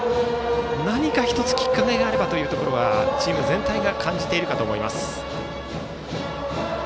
何か１つきっかけがあればというところはチーム全体が感じているかと思います。